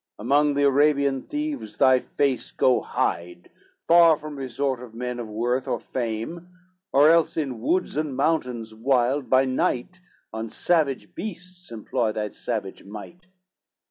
Among the Arabian thieves thy face go hide, Far from resort of men of worth and fame, Or else in woods and mountains wild, by night, On savage beasts employ thy savage might."